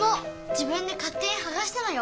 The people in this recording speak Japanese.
自分でかってにはがしたのよ。